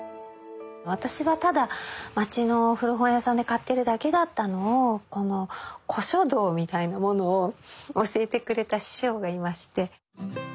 私はただ街の古本屋さんで買っているだけだったのを古書道みたいなものを教えてくれた師匠がいまして。